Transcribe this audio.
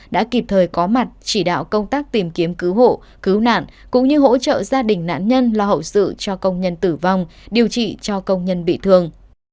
đã kịp thời có mặt chỉ đạo công tác tìm kiếm cứu hộ cứu nạn cũng như hỗ trợ gia đình nạn nhân lo hậu sự cho công nhân tử vong điều trị cho công nhân bị thương